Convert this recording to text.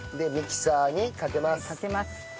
かけます。